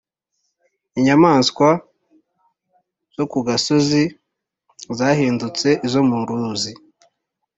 inyamaswa zo ku gasozi zahindutse izo mu ruzi,